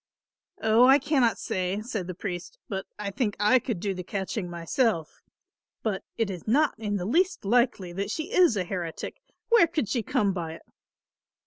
"Oh, I cannot say," said the priest, "but I think I could do the catching myself; but it is not in the least likely that she is a heretic. Where could she come by it?"